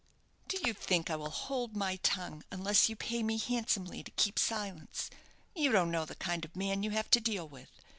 Do you think I will hold my tongue unless you pay me handsomely to keep silence? You don't know the kind of man you have to deal with.